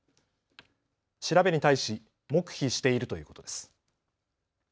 調べに対し黙秘しているということです。